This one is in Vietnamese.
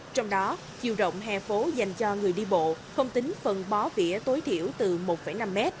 trong đó chiều rộng hè phố dành cho người đi bộ không tính phần bó vỉa tối thiểu từ một năm m